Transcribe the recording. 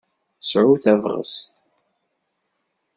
Sɛu tabɣest!